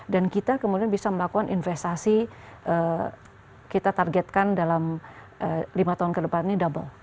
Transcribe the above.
dan kita kemudian bisa melakukan investasi kita targetkan dalam lima tahun kedepan ini double